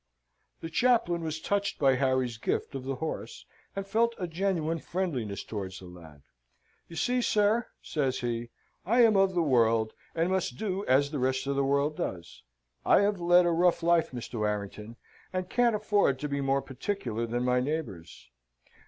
The chaplain was touched by Harry's gift of the horse; and felt a genuine friendliness towards the lad. "You see, sir," says he, "I am of the world, and must do as the rest of the world does. I have led a rough life, Mr. Warrington, and can't afford to be more particular than my neighbours.